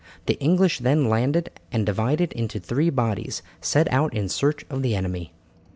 The English then landed, and dividing into three bodies, set out in search of the enemy.